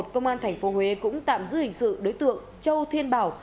công an tp huế cũng tạm giữ hình sự đối tượng châu thiên bảo